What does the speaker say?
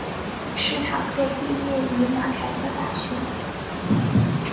史塔克毕业于马凯特大学。